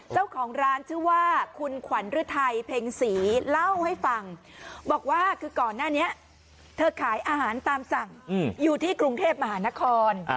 เจ้าของร้านชื่อว่าคุณขวัญฤทัยเพ็งศรีเล่าให้ฟังบอกว่าคือก่อนหน้านี้เธอขายอาหารตามสั่งอยู่ที่กรุงเทพมหานคร